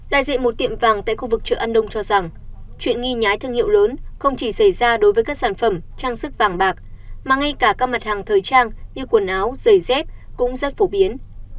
đại diện một tiệm vàng tại khu vực chợ an đông cho rằng chuyện nghi nhái thương hiệu lớn không chỉ xảy ra đối với các sản phẩm trang sức vàng bạc mà ngay cả các mặt hàng thời trang như quần áo giày dép cũng rất phổ biến